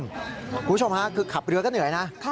คุณผู้ชมค่ะคือขับเรือก็เหนื่อยนะ